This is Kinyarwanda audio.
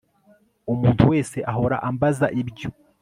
umuntu wese ahora ambaza ibyo